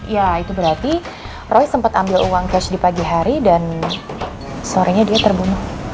ya itu berarti roy sempat ambil uang cash di pagi hari dan sorenya dia terbunuh